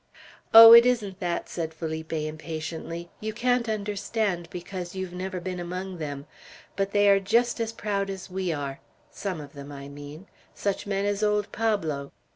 "Oh, it isn't that," said Felipe, impatiently. "You can't understand, because you've never been among them. But they are just as proud as we are. Some of them, I mean; such men as old Pablo.